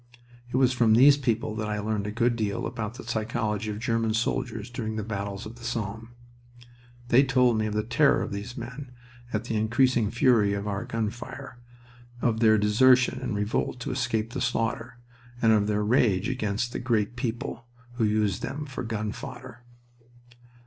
It was from these people that I learned a good deal about the psychology of German soldiers during the battles of the Somme. They told me of the terror of these men at the increasing fury of our gun fire, of their desertion and revolt to escape the slaughter, and of their rage against the "Great People" who used them for gun fodder.